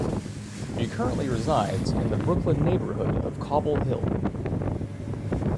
She currently resides in the Brooklyn neighborhood of Cobble Hill.